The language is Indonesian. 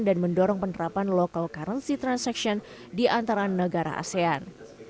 dan mendorong penerapan lokal currency transaction di antara negara asean